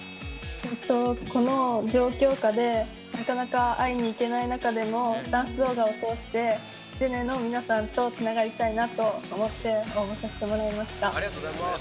この状況下でなかなか会いに行けない中でもダンス動画を通してジェネの皆さんとつながりたいなと思って応募させていただきました。